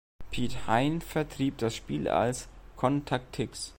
Piet Hein vertrieb das Spiel als „con-tac-tix“.